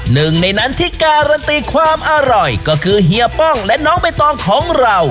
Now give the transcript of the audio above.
หนึ่งในนั้นที่การันตีความอร่อยก็คือเฮียป้องและน้องใบตองของเรา